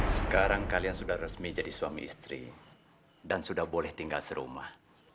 sekarang kalian sudah resmi jadi suami istri dan sudah boleh tinggal serumah